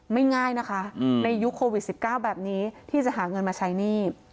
ไม่ง่ายนะคะอืมในยุคโควิดสิบเก้าแบบนี้ที่จะหาเงินมาใช้หนี้